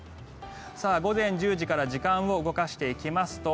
午前１０時から時間を動かしていきますと